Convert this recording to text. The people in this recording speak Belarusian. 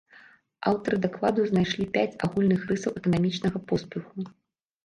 Аўтары дакладу знайшлі пяць агульных рысаў эканамічнага поспеху.